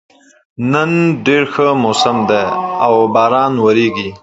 دا خبره سمه ده که ناسمه ده، دا بيا هم يوه خبره ده چې بايد پرې خبرې وشي.